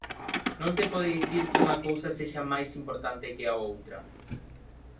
Non se pode dicir que unha cousa sexa máis importante que a outra.